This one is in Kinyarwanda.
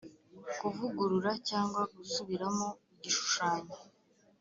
kuvugurura cyangwa gusubiramo igishushanyo